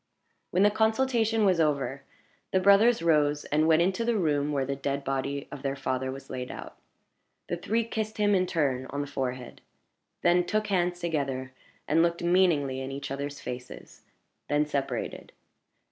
When the consultation was over, the brothers rose and went into the room where the dead body of their father was laid out. The three kissed him, in turn, on the forehead then took hands together, and looked meaningly in each other's faces then separated.